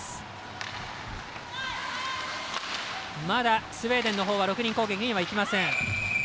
まだスウェーデンのほうは６人攻撃にはいきません。